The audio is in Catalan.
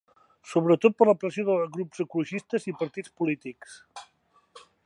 Sobretot per la pressió de grups ecologistes i partits polítics.